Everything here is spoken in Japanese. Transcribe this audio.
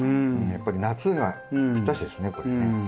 やっぱり夏がぴったしですねこれね。